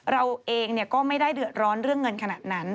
เราเองก็ไม่ได้เดือดร้อนเรื่องเงินขนาดนั้น